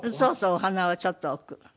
お花をちょっと置く。